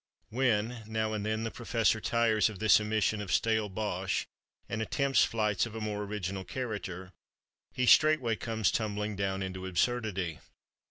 When, now and then, the professor tires of this emission of stale bosh and attempts flights of a more original character, he straightway comes tumbling down into absurdity.